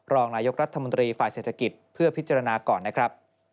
โดยรฟทจะประชุมและปรับแผนให้สามารถเดินรถได้ทันในเดือนมิถุนายนปี๒๕๖๓